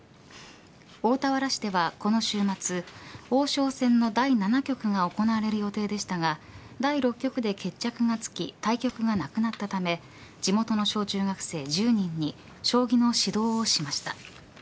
大田原市ではこの週末王将戦の第７局が行われる予定でしたが第６局で決着がつき対局がなくなったため地元の小中学生１０人に将棋の指導をしました。